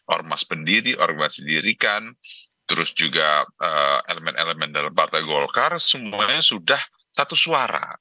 ormas pendiri ormas didirikan terus juga elemen elemen dalam partai golkar semuanya sudah satu suara